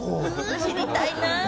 知りたいな。